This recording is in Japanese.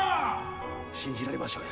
信じられましょうや？